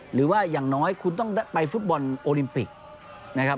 หรือว่าอย่างน้อยคุณต้องไปฟุตบอลโอลิมปิกนะครับ